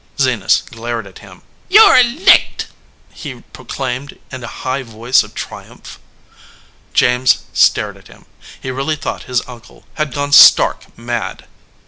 Zenas glared at him. "You re licked !" he proclaimed, in a high voice 1 of triumph. James stared at him. He really thought his uncle had gone stark mad.